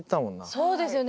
そうですよね。